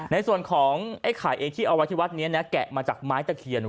ในส่วนของไอ้ไข่เองที่เอาไว้ที่วัดนี้นะแกะมาจากไม้ตะเคียน